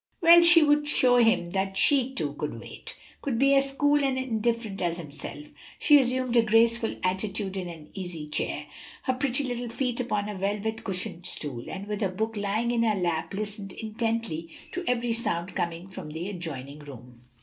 Well, she would show him that she, too, could wait could be as cool and indifferent as himself. She assumed a graceful attitude in an easy chair, her pretty little feet upon a velvet cushioned stool, and with her book lying in her lap listened intently to every sound coming from the adjoining room.